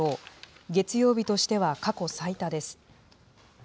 月曜日としては過去最多です。